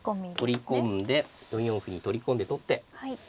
取り込んで４四歩に取り込んで取って。